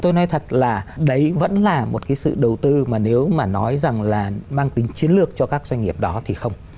tôi nói thật là đấy vẫn là một cái sự đầu tư mà nếu mà nói rằng là mang tính chiến lược cho các doanh nghiệp đó thì không